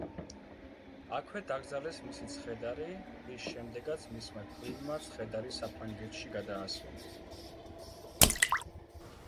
აქვე დაკრძალეს მისი ცხედარი, რის შემდეგაც მისმა ქვრივმა ცხედარი საფრანგეთში გადაასვენა.